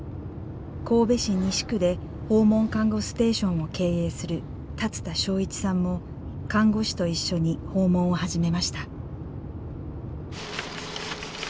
神戸市西区で訪問看護ステーションを経営する龍田章一さんも看護師と一緒に訪問を始めました。